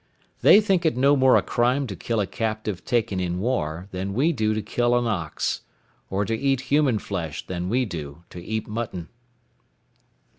They think it no more a crime to kill a captive taken in war than we do to kill an ox; or to eat human flesh than we do to eat mutton."